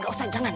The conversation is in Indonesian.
gak usah jangan